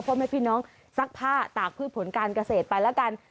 พบให้พี่น้องซักผ้าตากผลการเกษตรไปล่ะกัน